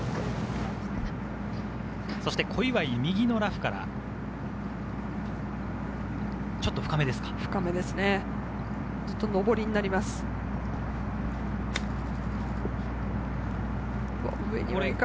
そして小祝、右のラフから、ちょっと深めですか。